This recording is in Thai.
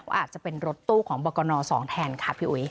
ว่าอาจจะเป็นรถตู้ของบักกะนอสองแทนค่ะพี่อุ๊ย